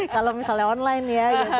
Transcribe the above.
kalau misalnya online ya